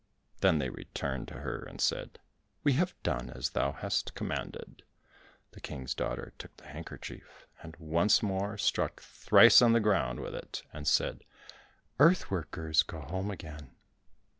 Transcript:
Then they returned to her and said, "We have done as thou hast commanded." The King's daughter took the handkerchief and once more struck thrice on the ground with it, and said, "Earth workers, go home again."